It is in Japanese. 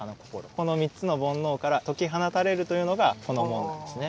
この三つの煩悩から解き放たれるというのがこの門なんですね。